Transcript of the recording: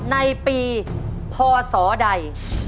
ในปีพศใด